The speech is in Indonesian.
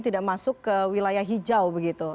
tidak masuk ke wilayah hijau begitu